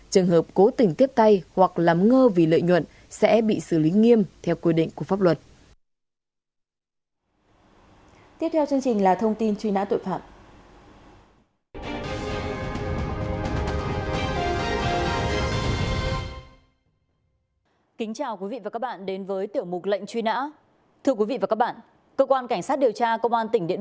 trường hợp cố tình tiếp tay hoặc lắm ngơ vì lợi nhuận sẽ bị xử lý nghiêm theo quy định của pháp luật